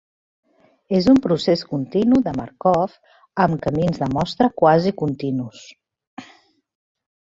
És un procés continu de Markov amb camins de mostra quasi continus.